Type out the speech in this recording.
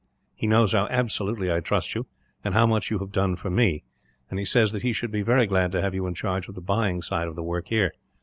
He knows how absolutely I trust you, and how much you have done for me, and he said that he should be very glad to have you in charge of the buying side of the work, here.